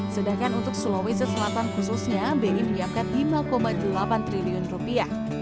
sedangkan untuk sulawesi selatan khususnya bi menyiapkan lima delapan triliun rupiah